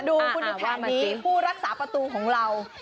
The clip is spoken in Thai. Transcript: ดูคุณดูแผนนี้ผู้รักษาประตูของเรา